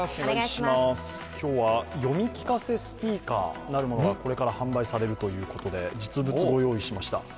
今日は読み聞かせスピーカーなるものがこれから販売されるということで、実物をご用意しました。